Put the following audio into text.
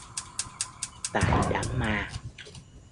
Tại Đám ma